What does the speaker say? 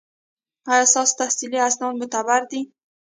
ایا ستاسو تحصیلي اسناد معتبر دي؟